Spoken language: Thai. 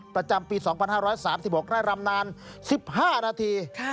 ประจำปี๒๕๓๖ไร่รำนาน๑๕นาที